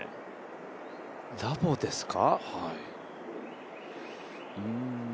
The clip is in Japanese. ダボですか。